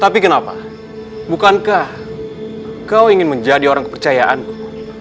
tapi kenapa bukankah kau ingin menjadi orang kepercayaanku